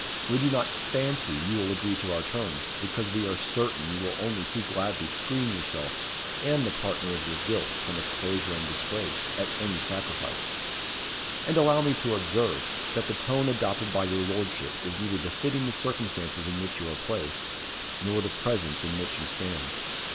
We do not fancy you will agree to our terms; because we are certain you will only too gladly screen yourself and the partner of your guilt from exposure and disgrace, at any sacrifice. And allow me to observe, that the tone adopted by your lordship is neither befitting the circumstances in which you are placed, nor the presence in which you stand.